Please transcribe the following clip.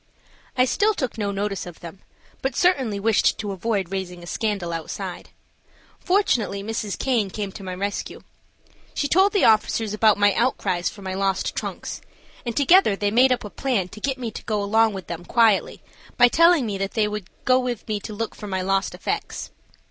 I still took no notice of them, but certainly wished to avoid raising a scandal outside. Fortunately Mrs. Caine came to my rescue. She told the officers about my outcries for my lost trunks, and together they made up a plan to get me to go along with them quietly by telling me they would go with me to look for my lost effects.